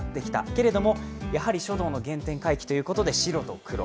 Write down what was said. けれども、やはり書道の原点回帰ということで白と黒。